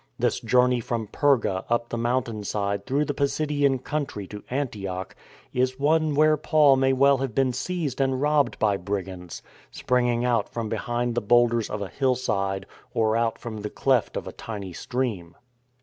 This journey from Perga up the mountain side through the Pisidian country to Antioch,^ is one where Paul may well have been seized and robbed by brigands, springing out from behind the boulders of a hillside or out from the cleft of a tiny stream.